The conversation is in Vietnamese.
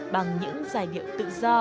bằng những giải điệu tự do